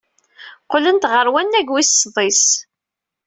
Qqlent ɣer wannag wis sḍis.